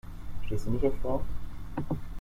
Stehst du nicht auf Frauen?